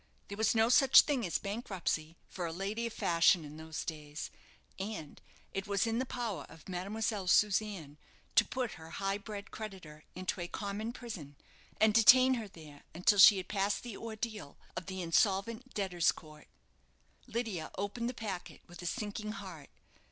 There was no such thing as bankruptcy for a lady of fashion in those days; and it was in the power of Mademoiselle Susanna to put her high bred creditor into a common prison, and detain her there until she had passed the ordeal of the Insolvent Debtors' Court. Lydia opened the packet with a sinking heart.